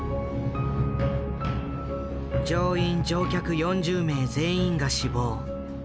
乗員乗客４０名全員が死亡。